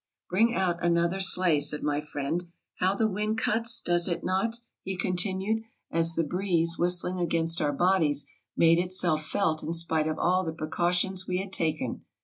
"Bring out another sleigh," said my friend. "How the wind cuts! does it not? " he continued, as the breeze, whistling against our bodies, made itself felt in spite of all the precautions we had taken.